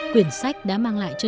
quyển sách đã mang lại cho